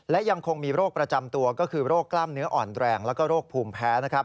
และยังคงมีโรคประจำตัวก็คือโรคกล้ามเนื้ออ่อนแรงแล้วก็โรคภูมิแพ้